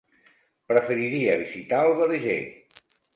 Preferiria visitar el Verger.